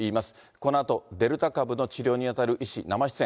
このあと、デルタ株の治療に当たる医師、生出演。